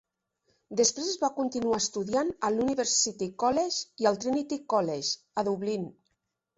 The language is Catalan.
Després va continuar estudiant a l'University College i al Trinity College, a Dublin.